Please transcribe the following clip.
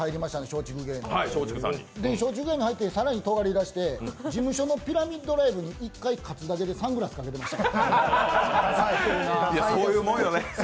松竹芸能入って更にとがりだして事務所のピラミッドライブに一回カツアゲでサングラスで出てました。